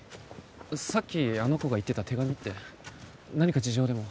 さっきあの子が言ってた手紙って何か事情でも？